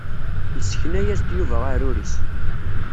Isekna-yas-d Yuba aɛrur-is.